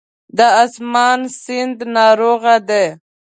د آسمان سیند ناروغ دی